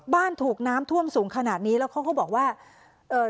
ถูกน้ำท่วมสูงขนาดนี้แล้วเขาก็บอกว่าเอ่อ